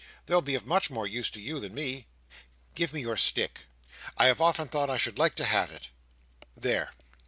"They'll be of much more use to you than me. Give me your stick. I have often thought I should like to have it. There!